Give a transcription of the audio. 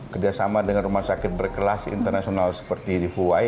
kerjasama dengan rumah sakit berkelas internasional seperti di fuwai